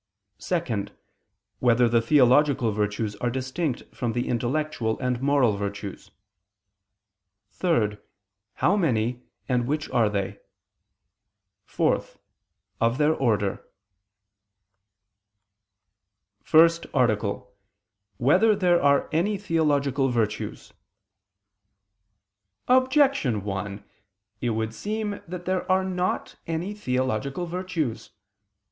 (2) Whether the theological virtues are distinct from the intellectual and moral virtues? (3) How many, and which are they? (4) Of their order. ________________________ FIRST ARTICLE [I II, Q. 62, Art. 1] Whether There Are Any Theological Virtues? Objection 1: It would seem that there are not any theological virtues.